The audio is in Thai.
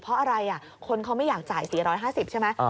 เพราะอะไรคนเขาไม่อยากจ่าย๔๕๐ใช่ไหม